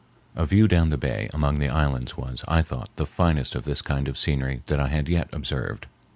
The view down the bay among the islands was, I thought, the finest of this kind of scenery that I had yet observed.